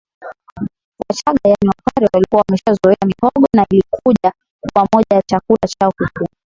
Wachagga yaani Wapare walikuwa wameshazoea mihogo na ilikuja kuwa moja ya chakula chao kikuu